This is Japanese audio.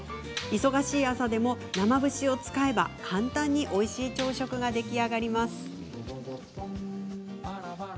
忙しい朝でも生節を使えば簡単においしい朝食が出来上がります。